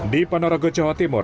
di ponorogo jawa timur